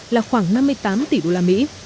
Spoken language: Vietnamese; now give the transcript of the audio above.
là khoảng năm mươi tám tỷ đô la mỹ